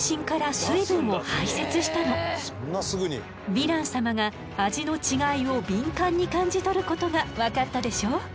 ヴィラン様が味の違いを敏感に感じ取ることが分かったでしょ。